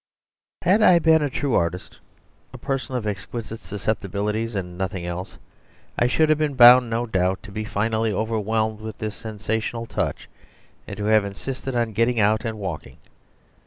..... Had I been a true artist, a person of exquisite susceptibilities and nothing else, I should have been bound, no doubt, to be finally overwhelmed with this sensational touch, and to have insisted on getting out and walking.